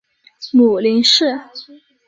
母林氏。